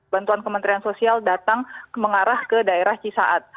bantuan kementerian sosial datang mengarah ke daerah cisaat